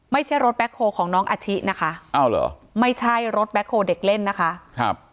ไม่ใช่รถแบ็คโฮล์ของน้องอาทินะคะไม่ใช่รถแบ็คโฮล์เด็กเล่นนะคะ